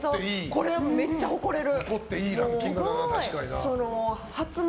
これ、めっちゃ誇れる。